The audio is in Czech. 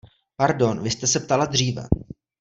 Pardon, vy jste se ptala dříve.